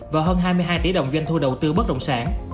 và hơn hai mươi hai tỷ đồng doanh thu đầu tư bất động sản